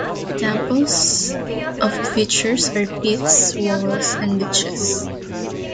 Examples of features are pits, walls, and ditches.